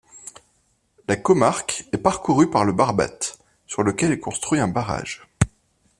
La comarque est parcourue par le Barbate, sur lequel est construit un barrage.